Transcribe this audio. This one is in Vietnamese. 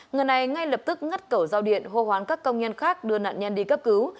người này ngay lập tức ngắt cổ giao điện hô hoán các công nhân khác đưa nạn nhân đi cấp cứu